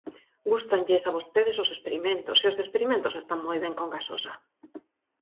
Gústanlles a vostedes os experimentos, e os experimentos están moi ben con gasosa.